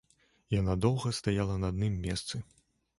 Яна доўга стаяла на адным месцы.